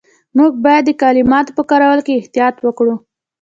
موږ باید د کلماتو په کارولو کې احتیاط وکړو.